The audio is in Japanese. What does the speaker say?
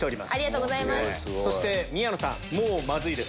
そして宮野さんもうまずいです。